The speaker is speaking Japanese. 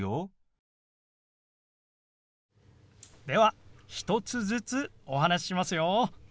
では１つずつお話ししますよ。